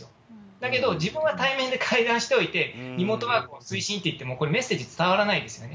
だけど自分は対面で会談しておいて、リモートワークを推進って言っても、これ、メッセージ伝わらないですよね。